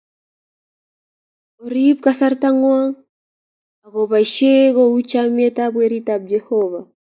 Orib kasarta ngwo ako boishee kouyo chame Werit ab Jehovah